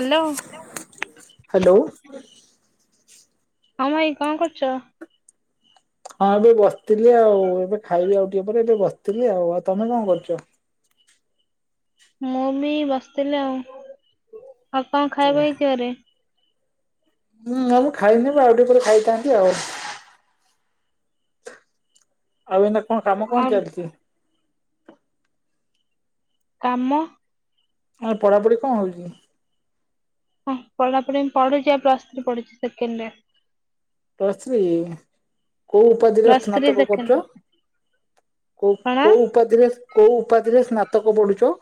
Hello. Hello. ହଁ ଭାଇ କଣ କରୁଚ? ହଁ ଏବେ ବସିଥିଲି ଆଉ, ଏବେ ଖାଇବି ଆଉ ଟିକେ ପରେ ଏବେ ବସିଥିଲି ଆଉ, ଆଉ ତମେ କଣ କରୁଛ? ମୁଁ ବି ବସିଥିଲି ଆଉ। ଆଉ କଣ ହୁଁ ଖାଇବା ହେଇଛି ଘରେ? ମୁଁ ଖାଇନିପା ଆଉ ଟିକେ ପରେ ଖାଇଥାନ୍ତି ଆଉ। ଆଉ ଏଇନା କଣ କାମ କଣ ଆଉ ଚାଲିଛି? କାମ ଏ ପଢ଼ାପଢ଼ି କଣ ହଉଚି? ହଁ ପଢାପଢି ପଢୁଛି ଆଉ ପ୍ଲସ୍ ଥ୍ରୀ ପଢୁଛି ସେକେଣ୍ଡ ଇଅର। ପ୍ରସ୍ ତ୍ରୀ କୋଉ ଉପାଧିରେ ପ୍ଲସ୍ ଥ୍ରୀ ସ୍ନାତକ ସେକେଣ୍ଡ କରୁଛ? ଇୟର। କୋଉ କଣ କୋଉ ଉପାଧି ରେ କୋଉ ଉପାଧିରେ ସ୍ନାତକ ପଢୁଛ?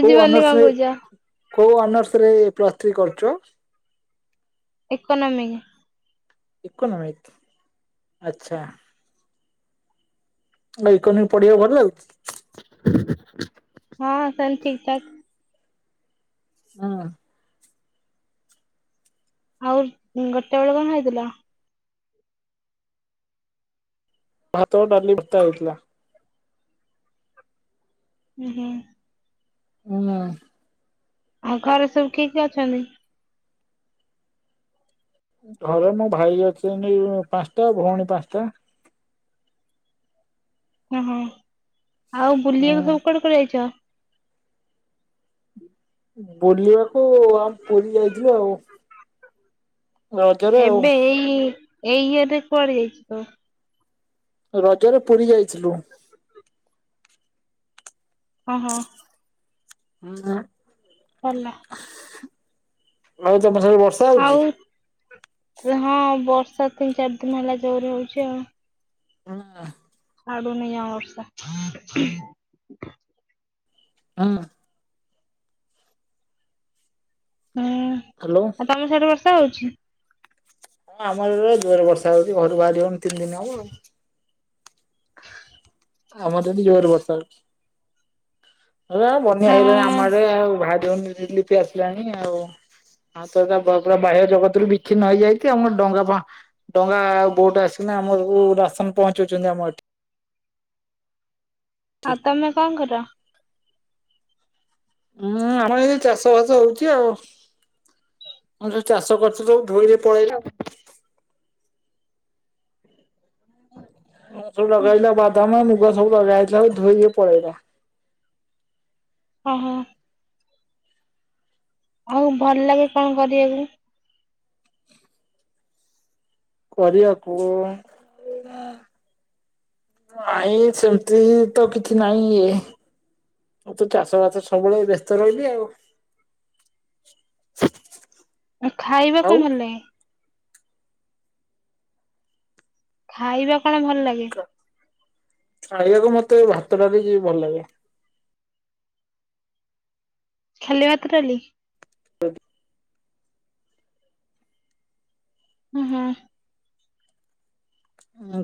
କେଉ କଣ ଅନର୍ସ ରେ କହୁଛ? କଉ ଅନର୍ସ ରେ ପ୍ଲସ୍ ଥ୍ରୀ କରୁଚ? ଇକୋନୋମିକ। ଇକୋନୋମିକ୍ ଆଚ୍ଛା। ନା ଇକୋନି ପଢିବା ଭଲ ଲାଗୁଚି? ହଁ ସେମିତି ସାର୍। ହଁ। ଆଉ ଗୋଟେ ବେଳେ କଣ ଖାଇଥିଲ? ଭାତ ଡାଲି ଭତ୍ତା ହେଇଥିଲା। ହୁ ହୁଁ। ହୁଁ। ଆଉ ଘରେ ସବୁ କିଏ କିଏ ଅଛନ୍ତି? ଘରେ ମୋ ଭାଇ ଅଛନ୍ତି ପାଞ୍ଚଟା ଭଉଣୀ ପାଞ୍ଚଟା। ଓହୋ ଆଉ ହୁଁ ବୁଲିବାକୁ ସବୁ କୁଆଡେ କୁଆଡେ ଯାଇଚ? ବୁଲିବାକୁ ଆମ୍ ପୁରୀ ଯାଇଥିଲୁ ଆଉ। ରଜରେ ଆଉ। ଏବେ ଏଇ ଏଇ ଇୟରରେ କୁଆଡେ ଯାଇଛି? ରଜରେ ପୁରୀ ଯାଇଥିଲୁ। ଓ ହୋ। ଉ ନା। ଭଲ। ଲାଗୁଚ ବର୍ଷାରେ ବସ। ଆଉ [inaudible] ହଁ ବର୍ଷା ତିନି ଚାରି ଦିନି ହେଲା ଜୋରେ ହଉଚି ଆଉ। [inaudible] ଲା ଆଉ ଦୁନିଆ ବର୍ଷା। [inaudible] ହୁଁ। ହାଲୋ। ତମେ ସେୟାଡୁ ବର୍ଷା ହଉଚି? ହଁ ଆମର ଜୋରେ ବର୍ଷା ହଉଛି ଘରୁ ବାହାରି ହନି ତିନି ଦିନି ହବ। ଆମର ଏଠି ଜୋର ବର୍ଷା ହଉଚି। ହେ ବନ୍ୟା ହେଇଗଲାଣି ଆମ ହଁ ଆଡେ ଆଉ ଭାରିହଉନି ରିଲିପି ଆସିଲାଣି ଆଉ ହଁ ସେରା ପ ପୁରା ବାହ୍ୟ ଜଗତରୁ ବିିକ୍ଛିନ୍ନ ହେଇଯାଇ ଆମର ଡଙ୍ଗା ବା ଡଙ୍ଗା ଆଉ ବୋଟ ଆସିକିନା ଆମ ସବୁ ରାସନ ପହଞ୍ଚଉଚନ୍ତି ଆମ ଏଠି। ହାତ ନା କଣ କର? ହୁଁ ଆମର ଏଇ ଚାଷବାସ ହଉଚି ଆଉ। ମୁଁ ଯୋଉ ଚାଷ କରିଥିଲୁ ଧୋଇରେ ପଳେଇଲା। ସବୁ ଲଗେଇଥିଲା ବାଦାମ ମୁଗ ସବୁ ଲଗା ହେଇଥିଲା ଧୋଇକି ପଳାଇଲା। ଓଁ ହୋ। ଆଉ ଭଲ ଲାଗେ କଣ କରିବାକୁ? କରିବାକୁ ମାଇଁ ସେମତି ତ କିଛି ନାଇଁ ଇଏ। ମୁଁ ତୁ ଚାଷ ବାସ ସବୁବେଳେ ବ୍ୟସ୍ତ ରହିଲି ଆଉ। [inaudible] ଉଁ ଖାଇବାକୁ ଆଉ କଣ ଭଲ ଲାଗେ? ଖାଇବା କଣ ଭଲ ଲାଗେ? ଖାଇବାକୁ ମତେ ଭାତ ଡାଲି ଇଏ ଭଲ ଲାଗେ। ଖାଲି ଭାତ ଡ଼ାଲି। [inaudible] ହୁଁ ହୁଁ।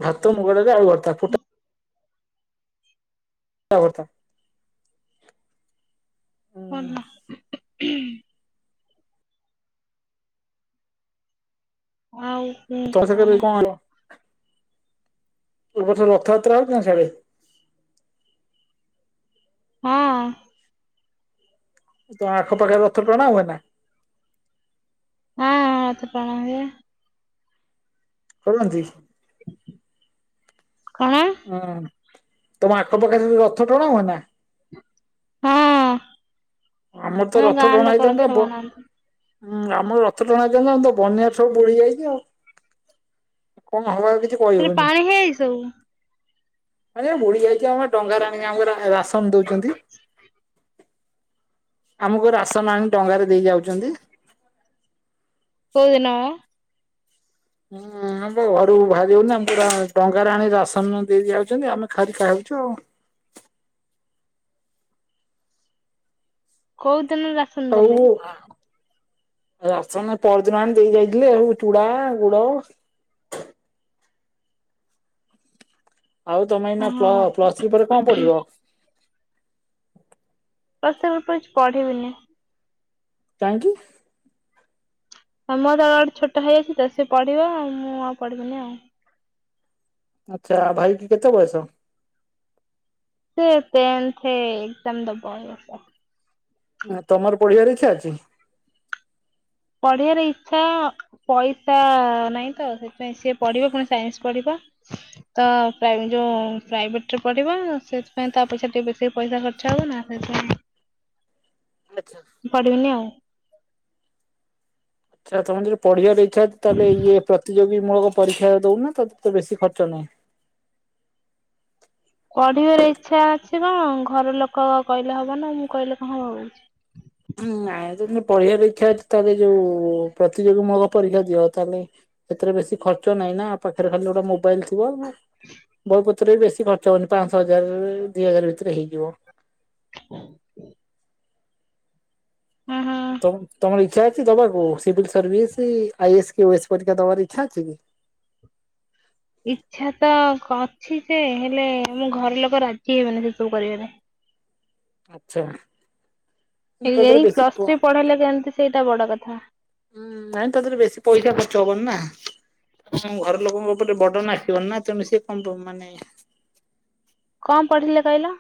ଭାତ ମୁଗଡ଼ାଲି ଆଳୁଭର୍ତ୍ତା ଫୁଟା ଆଳୁଭର୍ତ୍ତା। ହ [unintelligible] [unintelligible] ଆଉ [unintelligible] କଣ ହେଲ। ଏବର୍ଷ ରଥଯାତ୍ରା ହୋଉଛି ନା ସିଆଡେ। ହଁ। ତମ ଆଖପାଖରେ ରଥ ଟଣା ହୁଏ ନା? ହଁ ରଥ ଟଣା ହୁଏ। ପଳୁଅନ୍ତି? କଣ? ହଁ ତମ ଆଖ ପାାଖରେ ରଥ ଟଣା ହୁଏ ନା? ହଁ। ଆମର ତ ଆମ ରଥ ଗାଁ ଟଣା ଲୋକ ରଥ ହେଇଥାନ୍ତା ବ ବନାନ୍ତି। ହୁଁ ଆମର ରଥ ଟଣା ହେଇଥାନ୍ତା ଆମର ତ ବନ୍ୟାରେ ସବୁ ବୁଡିଯାଇଛି ଆଉ। କଣ ହବ ଆଉ କିଛି ଖାଲି କହିହଉନି ପାଣି ହେଇଯାଇଛି ସବୁ? ଆମେ ବୁଡି ଯାଇଛୁ ଆମ ଡଙ୍ଗାରେ ଆଣିକି ଆମକୁ ରା ରାସନ ଦଉଛନ୍ତି। [inaudible] ଆମକୁ ରାସନ ଆଣି ଡ଼ଙ୍ଗାରେ ଦେଇ ଯାଉଛନ୍ତି। କୋଉଦିନ ବା? ହୁଁ ଆମେ ଘରୁ ବାହାରି ହଉନି ଆମକୁ ପୁରା ଡଙ୍ଗାରେ ଆଣି ରାସନ ଦେଇ ଯାଉଛନ୍ତି ଆମେ ଖାଲି ଖାଉଛୁ ଆଉ। କୋଉଦିନ ରା ହଉ [inaudible] ରାସନ ପରଦିନ ଆଣି ଦେଇ ଯାଇଥିଲେ ଚୁଡା ଗୁଡ ଆଉ ତମେ ଏଇନା ପ୍ଲ ହଁ ପ୍ଲସ୍ ଥ୍ରୀ ପରେ କଣ ପଢିବ? ପ୍ଲସ ଥ୍ରୀ ପରେ କିଛି ପଢ଼ିବିନି। କାହିଁକି? ଆ ମୋର ଗୋଟେ ଛୋଟ ଭାଇ ଅଛି ତ ସେ ପଢିବ ଆଉ ମୁଁ ଆଉ ପଢିବିନି ଆଉ। ଆଚ୍ଛା ଭାଇକି କେତେ ବୟସ? ସେ ଟେ‌ନ୍ଥ ଏଜ୍କାମ ଦବ ଏ ବର୍ଷ। ଆ ତମର ପଢିବାର ଇଛା ଅଛି? ପଢିବାର ଇଛା ପଇସା ନାଇଁତ ସେଥିପାଇଁ ସିଏ ପଢିବ ପୁଣି ସାଇନ୍ସ ପଢିବ। ତ ପ୍ରାଇମ୍ ଯୋଉ ପ୍ରାଇଭେଟ ରେ ପଢ଼ିବ ସେଥିପାଇଁ ତା ପଛରେ ଟିକେ ବେଶି ପଇସା ଖର୍ଚ୍ଚ ହେବ ନା ସେଥିପାଇଁ ଆଚ୍ଛା। ପଢିବିନି ଆଉ। ଛା ତମେ ଯଦି ପଢ଼ିବାରେ ଇଛା ଅଛି ତାହେଲେ ଇଏ ପ୍ରତିଯୋଗୀ ମୂଳକ ପରୀକ୍ଷା ଦଉନ ତ ତେ ବେଶୀ ଖର୍ଚ୍ଚ ନାହିଁ। ପଢିବାରେ ଇଚ୍ଛା ଅଛି କଣ ଘର ଲୋକ କହିଲେ ହବ ନା ମୁଁ କହିଲେ କଣ ହବ କିଛି। ନାଇଁ ଯଦି ପଢିବାରେ ଇଚ୍ଛା ଅଛି ତାହେଲେ ଯୋଉ ପ୍ରତିଯୋଗୀ ମୂଳକ ପରୀକ୍ଷା ଦିଅ ତାହେଲେ ସେଥିରେ ବେଶୀ ଖର୍ଚ୍ଚ ନାହିଁ ନା ପାଖରେ ଖାଲି ଗୋଟେ ମୋବାଇଲ ଥିବ [unintelligible] ବହିପତ୍ର ବି ବେଶୀ ଖର୍ଚ୍ଚ ହଉନି ପାଞ୍ଚ ହଜାର ଦି ହଜାର ଭିତରେ ହେଇଯିବ। [inaudible] ହଁ ହଁ ତମର ଇଚ୍ଛା ଅଛି ଦବାକୁ ସିଭିଲ୍ ସର୍ଭିସ୍ ଆଇ ଏସ୍ ୱସ୍ ପରୀକ୍ଷା ଦବାର ଇଛା ଅଛି କି? ଇଚ୍ଛା ତ ଅଛି ଯେ ହେଲେ ଆମ ଘର ଲୋକ ରାଜି ହେବେନି ସେ ସବୁ କରିବାରେ। ଆଚ୍ଛା। ଏ ତା ଏ ଦେହରେ ବେଶୀ ପ ପ୍ଲସ ଥ୍ରୀ ପଢେଇଲେ କେମିତି ସେଇଟା ବଡ କଥା। ହୁଁ ନାଇଁ ତାପରେ ବେଶୀ ପଇସା ଖର୍ଚ୍ଚ ହବନି ନା। ହଁ ଘର ଲୋକଙ୍କ ଉପରେ ବଡ ନା ଆସିବନି ନା ତେଣୁ ସିଏ କଣ ମାନେ କଣ ପଢିଲେ କହିଲ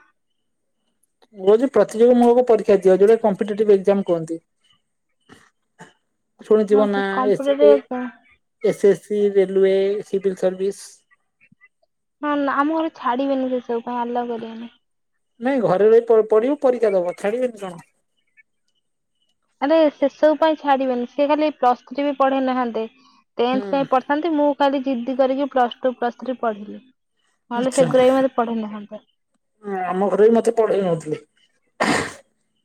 ଯଦି ପ୍ରତିଯୋଗୀ ମୁଳକ ପରୀକ୍ଷା ଦିଅ ଯୋଉଟା କମପିଟେଟିଭ ଏକ୍ସାମ କୁହନ୍ତି। ହଁ ଶୁଣିଥିବ ନା ଏସ୍ କମ୍ପ୍ୟୁଟରରେ ଏ ହଁ ଏସ୍ଏସ୍ସି ରେଲୱେ ସିଭିଲ୍ ସର୍ଭିସ। ହଁ ନା ଆମ ଘର ଛାଡିବେନି ସେ ସବୁ ପାଇଁ ଆଲାଉ କରିବେନି। ନାଇଁ ଘରେ ରହି ପଡିବ ପରୀକ୍ଷା ଦବ ଛାଡିବେନି କଣ। ଆରେ ସେସବୁ ପାଇଁ ଛାଡିବେନି ସେ ଖାଲି ପ୍ଲସ ଥ୍ରୀ ବି ପଢେଇ ନାହାନ୍ତେ। ଟେନ୍ଥ ଯାଏଁ ହୁଁ ପଢିଥାନ୍ତି ମୁଁ ଖାଲି ଜିଦ୍ଦି କରିକି ପ୍ଲସ ଟୁ ପ୍ଲସ ଥ୍ରୀ ପଢିଲି। ନହେଲେ ସେଗୁଡାକ ବି ମତେ ପଢେଇ ନଥାନ୍ତେ। ହ ଆମ ଘରେ ବି ମତେ ପଢେଇ ନଉଥିଲେ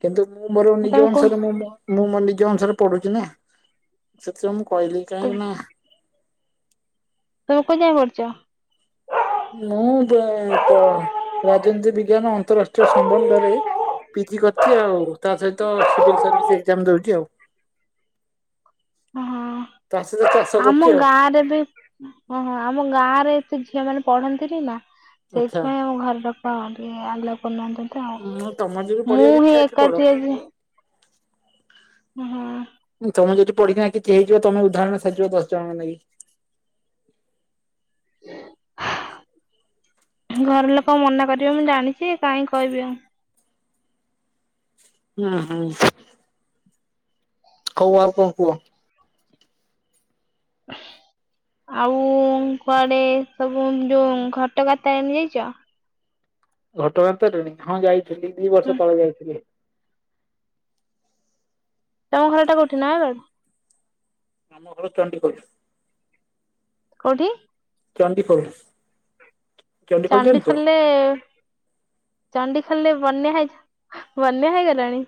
କିନ୍ତୁ ମୁଁ ମୋର ନିଜ ତମେ କୁ ଅନୁସାରେ ମୁଁ ମୁଁ ମୋ ନିଜ ଅନୁସାରେ ପଢୁଛିି ନା ସେଥିପାଇଁ ମୁଁ କହିଲି କାହିଁକି ନା ତମେ କୋଉ ଯାଏ ପଡ଼ିଛ। ମୁଁ ବ ପ ରାଜନୀତି ବିଗ୍ ବିଜ୍ଞାନ ଅନ୍ତରାଷ୍ଟ୍ରୀୟ ସମ୍ବନ୍ଧରେ ପିଜି କରିଛି ଆଉ। ତା ସହିତ ସିଭିଲ୍ ସର୍ଭିସ ଏକ୍ସାମ ଦଉଛି ଆଉ। ହଁ। ତା ସହିତ ଚାଷ ଆମ କରୁଛି ଆଉ ଗାଁ ରେ ବି ଓ ହ ଆମ ଗାଁରେ ଏତେ ଝିଅ ମାନେ ପଢନ୍ତିନି ନା। ଆଚ୍ଛା। ସେଇଥିପାଇଁ ଆମ ଘରଲୋକ ଟିକେ ଆଲଉ କରିନାହନ୍ତି ତ ହୁଁ ତମର ଯଦି ଆଉ। ମୁଁ ପଢିବାକୁ ହିଁ ଇଚ୍ଛା ଅଛି ପଢ। ଏକାଠି ଅଛି। [inaudible] ହୁଁ ହୁଁ। ତମେ ଯଦି ପଢି କିଛି ହେଇଯିବ ତମେ ଉଦାରଣ ସାଯିବ ଦଶ ଜଣଙ୍କ ନେଇକି। [inaudible] ଘର ଲୋକ ମନା କରିବେ ମୁଁ ଜାଣିଛି କାଇଁ କହିବି ଆଉ। ହୁଁ ହୁଁ। ହଉ ଆଉ କଣ କୁହ। [inaudible] ଆଉ କୁଆଡେ ସବୁ ଯୋଉ ଘଟଗାଁ ତାରିଣୀ ଯାଇଛ। ଘଟଣା ତାରିଣୀ ହଁ ଯାଇଥିଲି ହୁଁ ଦିବର୍ଷ ତଳେ ଯାଇଥିଲି। ତମ ଘର ଟା କୋଠି ନୟାଗଡ ଆମ ଘର ଚଣ୍ଡିଖୋଲ। କଉଠି? ଚଣ୍ଡିଖୋଲ। ଚଣ୍ଡିଖୋଲ ଚଣ୍ଡିଖୋଲେ ବନ୍ୟା ହେଇ ବନ୍ୟା ହେଇଗଲାଣି।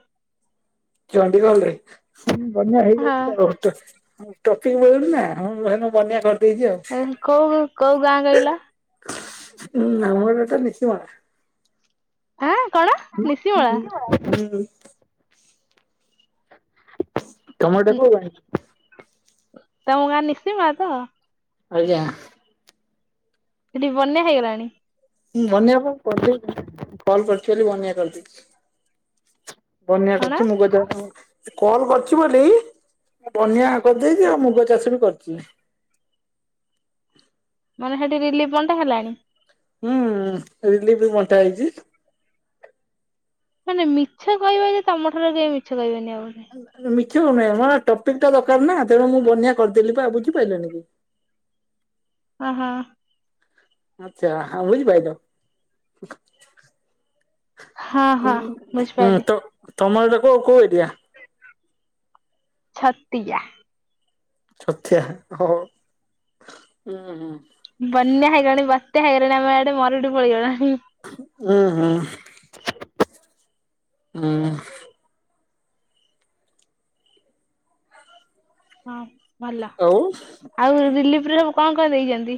ଚଣ୍ଡିଗୋଲରେ ବନ୍ୟା ହେଇଯାଇଛି ଆଉ। ହଁ ଟପିକ ମିଳୁନି ନା ହଁ ସେ ବନ୍ୟାକରି ଦେଇଚି ଆଉ କୋଉ କୋଉ ଗାଁ କହିଲ ମାମୁଘର ତ ନିଖିମାଳା। [unintelligible] ଆଁ କଣ ନିଶିମଳା? [inaudible] ତମ [unintelligible] ତମ ଗାଁ [unintelligible] ଆଜ୍ଞା। ସେଠି ବନ୍ୟା ହେଇଗଲାଣି। ମୁଁ ବନ୍ୟା କଣ କରିଦେଇଛି କଲ କରି [unintelligible] ବୋଲି ବନ୍ୟା କରିଦେଇଛି। ବନ୍ୟା କଣ କରିଛି ମୁଁ [unintelligible] କଲ କରିଛି ବୋଲି ମୁଁ ବନ୍ୟା କରିଦେଇଛି ଆଉ ମୁଗ ଚାଷ ବି କରିଛି। ମାନେ ହେଠୀ ରିଲିଫ ବନ୍ଟା ହେଲାଣି? ହୁଁ ରିଲିଫ ବଣ୍ଟା ହେଇଛି। ମାନେ ମିଛ କହିବ ଯେ ତମ ଠାରୁ କେହି ମିଛ କହିବନି [unintelligible] ମିଛ କଣପାଇଁ ହବ, ଆ ଟପିକ୍ ଟା ଦରକାର ନା ତେଣୁ ମୁଁ ବନ୍ୟା କରିଦେଲି ପା ବୁଝିପାରିଲନି କି? ଆହା। ଯାହା ବୁଝିପାଇଲ? ହଁ ହଁ ବୁଝିପାରିଲି [unintelligible] ତ ତମର ଏଇଟା କଉ କଉ ଏରିଆ? ଛତିଆ। ଛଡ଼ିଆ [unintelligible] ହୁଁ ହଁ। ବନ୍ୟା ହେଇଗଲାଣି, ବତ୍ୟା ହେଇଗଲାଣି ଆମ ଆଡେ ମରୁଡି ପଡିଗଲାଣି। ହୁଁ ହୁଁ। ହୁଁ। ହଁ ଭଲ, ଆଉ ଆଉ ରିଲିଫରେ ସବୁ କଣ କଣ ଦେଇଛନ୍ତି?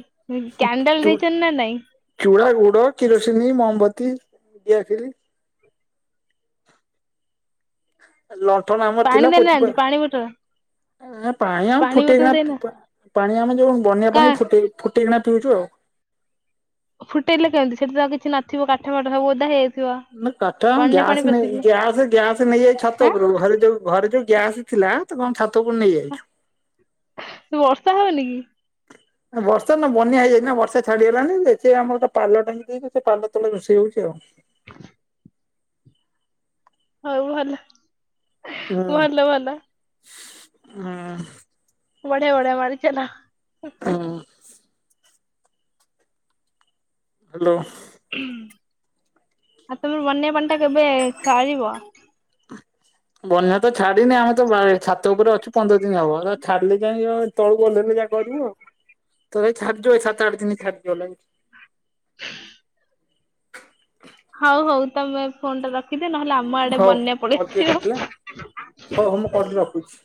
କ୍ୟାଣ୍ଡଲ ଚୁ ଦେଇଛନ୍ତି ନା ନାଇଁ? ଚୁଡ଼ା, ଗୁଡ, କିରୋସିିନି, ମୋହମବତୀ ଡିଆସିଲି। ଲଣ୍ଠନ ଆମର ପାଣି ଥିଲା, ପୋଛିପା ଦେଇନାହାନ୍ତି ପାଣି ବୋଟଲ ପାଣି ଆମ ଫୁଟେଇ ବୋଟଲ [unintelligible] ଦେଇନା ପିବା ପାଣି ଆମେ ଯୋଉ ବନ୍ୟା କା ପାଣି ଫୁଟେଇ ଫୁଟେଇକିନା ପିଇଚୁ ଆଉ। ଫୁଟେଇଲେ କେମିତି ସେଠି ତ ଆଉ କିଛି ନଥିବ କାଠଫାଠ ସବୁ ଓଦା ହେଇ ନା କାଠ, ଗ୍ୟାସ ନେଇକି ଗ୍ୟାସ ଗ୍ୟାସ୍ ନେଇଯାଇଛି ଛାତ ଆଁ ଉପରୁକୁ, ଘରେ ଯୋଉ ଘରେ ଯୋଉ ଗ୍ୟାସ ଥିଲା ତ କଣ ଛାତ କୁ ନେଇଯାଇଛୁ। ବର୍ଷା ହୋଉନି କି? ବର୍ଷା ନା ବନ୍ୟା ହେଇଯାଇଚି ନା ବର୍ଷା ଛାଡିଗଲାଣି ଯେ ସେ ଆମର ଗୋଟେ ପାଲ ଟାଙ୍ଗି ଦେଇଚୁ ସେ ପାଲ ତଳେ ରୋଷେଇ ହୋଉଚି ଆଉ। ହଉ ଭଲ, ହୁଁ ଭଲ [unintelligible] ଭଲ। ହୁଁ। ବଢ଼ିଆ ବଢ଼ିଆ ମାଡିଚାଲ। ଉଁ। ହ୍ୟାଲୋ। ଆଉ ତମ ବନ୍ୟା ପାଣିଟା କେବେ ସରିବ? ବନ୍ୟା ତ ଛାଡିନି, ଆମେ ତ ଛାତ ଉପରେ ଅଛୁ ପନ୍ଦର ଦିନ ହବ। ଆଉ ଛାଡିଲେ ଯାଇ ତଳକୁ ଓହେଇଲେ ଯା କରିବୁ ଆଉ ତଥାପି ଛାଡିଯିବ ଏଇ ସାତ ଆଠ ଦିନ ଛାଡିଯିବ ଲା [inaudible] ହଉ ହଉ ତମେ ଫୋନ ଟା ରଖିଦିଅ, ନହେଲେ ଆମ ଆଡେ ହଉ ବନ୍ୟା କଲ୍ କିଏ କରିଥିଲା ପଳେଇଆସିବ। ହଉ ହଉ ମୁଁ କଲ୍‌ଟି ରଖୁଛି।